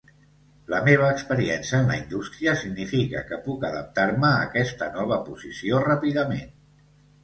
La meva experiència en la indústria significa que puc adaptar-me a aquesta nova posició ràpidament.